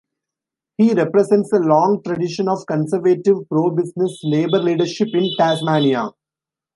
He represents a long tradition of conservative, pro-business Labor leadership in Tasmania.